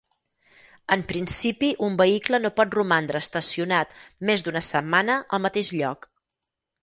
En principi un vehicle no pot romandre estacionat més d'una setmana al mateix lloc.